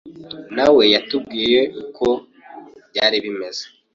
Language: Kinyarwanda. na we yatubwiye uko byari bimeze